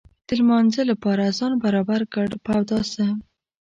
د لمانځه لپاره ځان برابر کړ په اوداسه.